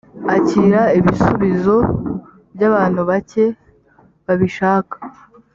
akira ibisubizo byabantu bake babishaka